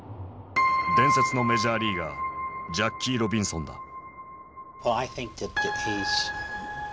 伝説のメジャーリーガージャッキー・ロビンソンだ。